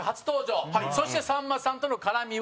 そして、さんまさんとの絡みは？